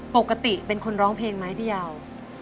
ปกติเป็นคนร้องเพลงไหมพี่ยาว